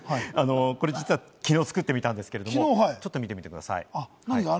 実は昨日、作ってみたんですけれども、ちょっと見てみてください。